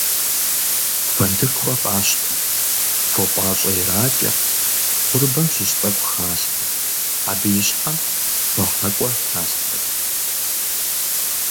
Фэндышхуэ къащтэ, фо пIащIэ иракIэ, курыбэм щыщ тIэкIу халъхьэ, абы и щхьэм фохьэкIуэ тралъхьэж.